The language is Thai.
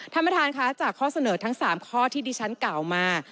ท่านประธานค่ะจากข้อเสนอทั้ง๓ข้อที่ดิฉันกล่าวมา